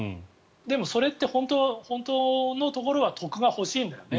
でも、それって本当のところは得が欲しいんだよね。